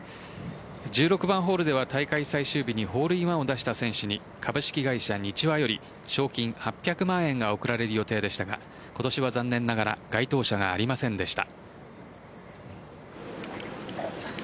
１６番ホールでは大会最終日にホールインワンを出した選手に株式会社ニチワより賞金８００万円が贈られる予定でしたが今年は残念ながら該当者がありませんでした。